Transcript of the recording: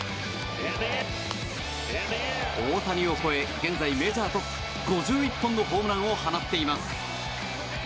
大谷を超え、現在メジャートップ５１本のホームランを放っています。